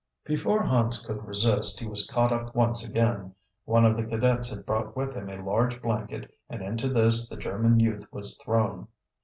Before Hans could resist he was caught up once again. One of the cadets had brought with him a large blanket and into this the German youth was thrown.